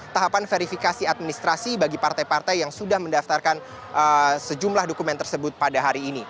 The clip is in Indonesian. tahapan verifikasi administrasi bagi partai partai yang sudah mendaftarkan sejumlah dokumen tersebut pada hari ini